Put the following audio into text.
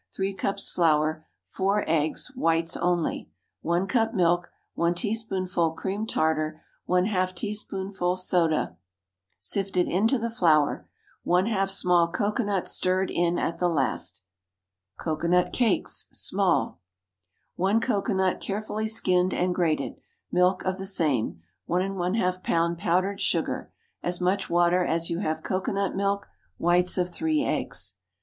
3 cups flour. 4 eggs (the whites only). 1 cup milk. 1 teaspoonful cream tartar, } ½ teaspoonful soda, } sifted into the flour. ½ small cocoanut, stirred in at the last. COCOANUT CAKES (Small.) 1 cocoanut, carefully skinned and grated. Milk of the same. 1½ lb. powdered sugar. As much water as you have cocoanut milk. Whites of three eggs.